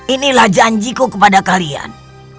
inilah janjiku kepada kalian